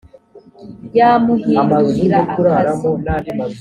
yamuhindurira akazi .